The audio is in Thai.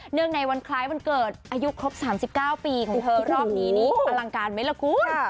ในวันคล้ายวันเกิดอายุครบ๓๙ปีของเธอรอบนี้นี่อลังการไหมล่ะคุณ